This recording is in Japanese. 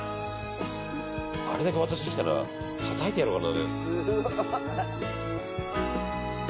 あれだけ渡してきたらはたいてやろうかと。